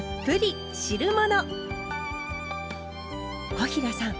小平さん！